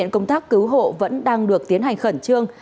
cứu hộ vẫn đang được tiến hành khẩn trương